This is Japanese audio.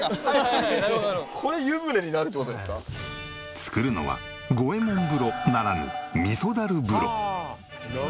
作るのは五右衛門風呂ならぬ味噌だる風呂。